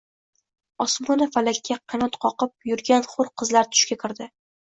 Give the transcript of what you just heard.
Osmoni falakda qanot qoqib yurgan hur qizlar tushiga kirdi…